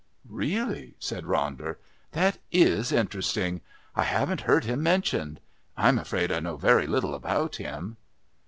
"Really!" said Ronder. "That is interesting. I haven't heard him mentioned. I'm afraid I know very little about him."